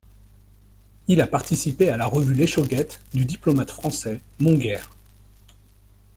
Il a participé à la revue l'Echauguette du diplomate français Montguerre.